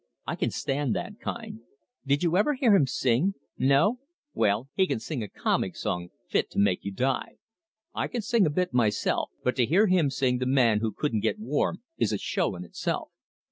I can stand that kind. Did you ever hear him sing? No? Well, he can sing a comic song fit to make you die. I can sing a bit myself, but to hear him sing 'The Man Who Couldn't Get Warm' is a show in itself.